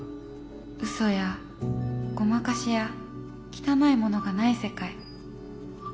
うそやごまかしや汚いものがない世界。